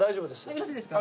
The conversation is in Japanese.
よろしいですか？